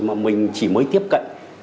mà mình chỉ mới tiếp cận